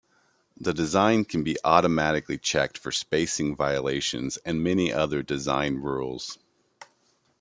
The design can be automatically checked for spacing violations and many other design rules.